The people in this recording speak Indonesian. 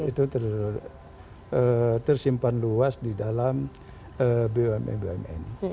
itu tersimpan luas di dalam bumn bumn